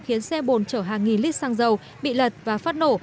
khiến xe bồn chở hàng nghìn lít xăng dầu bị lật và phát nổ